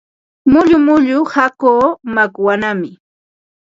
Mullu mullu hakuu makwanaami.